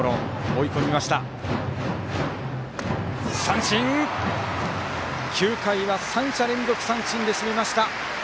三振！９回は３者連続三振で締めました。